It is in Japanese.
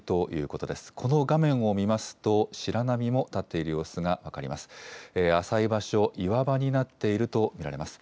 この画面を見ますと、白波も立っている様子が分かります。